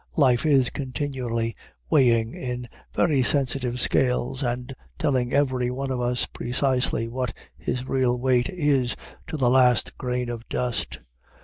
Life is continually weighing us in very sensitive scales, and telling every one of us precisely what his real weight is to the last grain of dust.